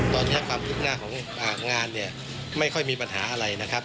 ตอนนี้ความคืบหน้าของงานเนี่ยไม่ค่อยมีปัญหาอะไรนะครับ